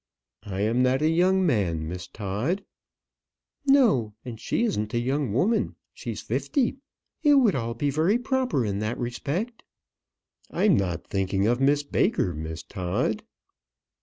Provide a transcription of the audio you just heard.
"I am not a young man, Miss Todd " "No; and she isn't a young woman. She's fifty. It would all be very proper in that respect." "I'm not thinking of Miss Baker, Miss Todd."